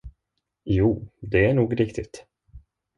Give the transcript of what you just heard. Jo, det är nog riktigt!